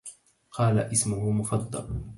قال اسمه مفضل